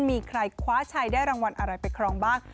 มีใครคว้าชัยได้รางวัลอะไรไปครองบ้าง